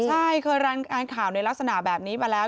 ใช่เคยรายงานข่าวในลักษณะแบบนี้มาแล้ว